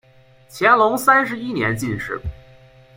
乾隆三十一年进士。